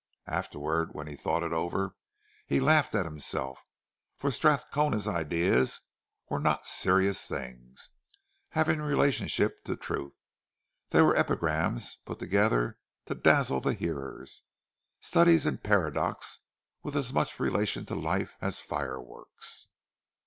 Afterward, when he thought it over, he laughed at himself; for Strathcona's ideas were not serious things, having relationship to truth—they were epigrams put together to dazzle the hearer, studies in paradox, with as much relation to life as fireworks.